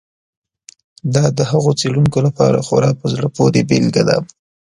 دا د هغو څېړونکو لپاره خورا په زړه پورې بېلګه ده.